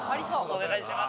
お願いします。